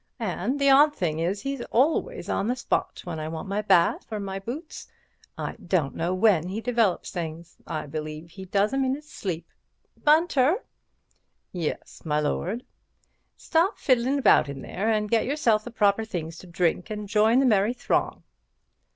And the odd thing is, he's always on the spot when I want my bath or my boots. I don't know when he develops things—I believe he does 'em in his sleep. Bunter!" "Yes, my lord." "Stop fiddling about in there, and get yourself the proper things to drink and join the merry throng."